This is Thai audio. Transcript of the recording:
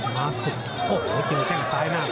มาศึกโอ้โหเจอแข้งซ้ายหน้า